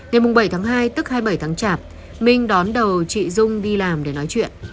đến mùng bảy tháng hai tức hai mươi bảy tháng chạp mình đón đầu chị dung đi làm để nói chuyện